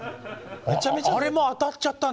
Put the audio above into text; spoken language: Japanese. あれも当たっちゃったんですか？